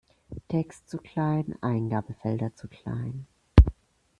Text zu klein, Eingabefelder zu klein.